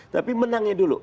tapi menangnya dulu